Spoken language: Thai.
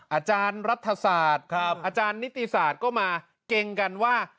อาจารย์รัฐศาสตร์อาจารย์นิติศาสตร์ก็มาเกรงกันว่า